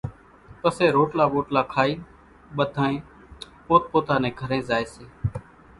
پسي روٽلا ٻوٽلا کائين ٻڌانئين پوت پوتا نين گھرين زائيَ سي۔